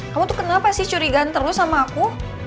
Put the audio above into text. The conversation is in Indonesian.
kamu tuh kenapa sih curigaan terus sama aku